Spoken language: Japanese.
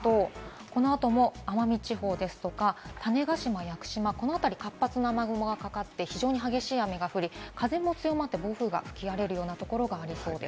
このあとも奄美地方ですとか、種子島、屋久島、この辺り、活発な雨雲がかかって非常に激しい雨が降り、風も強まって暴風が吹き荒れるようなところがありそうです。